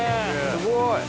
すごい！